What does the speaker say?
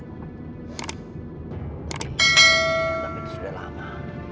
tapi itu sudah lama